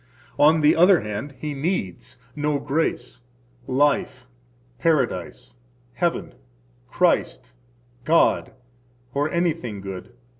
On the other hand, he needs no grace, life, Paradise, heaven, Christ, God, nor anything good.